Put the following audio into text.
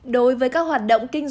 đối với các hoạt động kinh tế